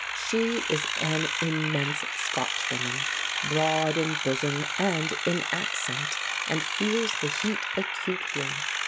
She is an immense Scotchwoman, broad in bosom and in accent, and feels the heat acutely.